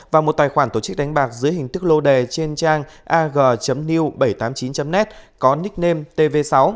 và một tài khoản tổ chức đánh bạc dưới hình thức lô đề trên trang ag neu bảy trăm tám mươi chín net có nickname tv sáu